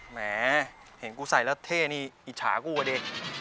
แหมเห็นกูใส่แล้วเท่นี่อิจฉากูอ่ะดิ